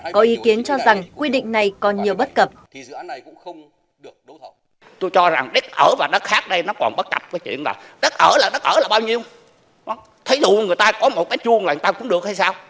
có ý kiến cho rằng quy định này còn nhiều bất cập